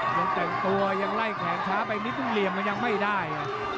ยังแต่งตัวยังไล่แขนช้าไปนิดนึงเหลี่ยมมันยังไม่ได้